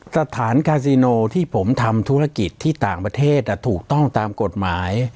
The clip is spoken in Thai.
สถานกาซิโนที่ผมทำธุรกิจที่ต่างประเทศถูกต้องตามกฎหมาย